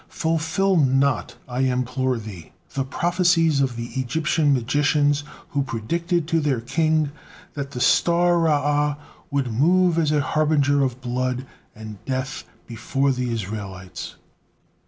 Fulfil not, I implore Thee, the prophecies of the Egyptian magicians, who predicted to their king that the star 'Ra'ah' would move as a harbinger of blood and death before the Israelites."